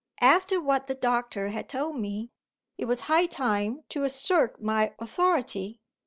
After what the doctor had told me, it was high time to assert my authority.